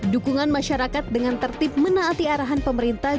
dukungan masyarakat dengan tertib menaati arahan pemerintah